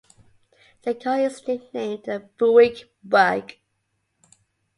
The car is nicknamed the Buick Bug.